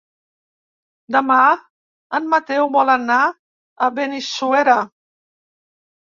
Demà en Mateu vol anar a Benissuera.